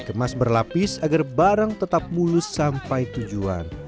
kemas berlapis agar barang tetap mulus sampai tujuan